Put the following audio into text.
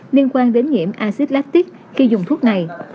liên quan đến nhiễm acid latic khi dùng thuốc này